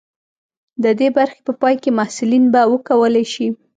د دې برخې په پای کې محصلین به وکولی شي.